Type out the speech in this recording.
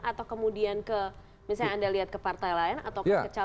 atau kemudian ke misalnya anda lihat ke partai lain atau ke calon lain